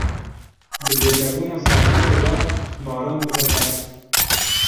Bi zêdebûna sermayê re, baran dibe berf.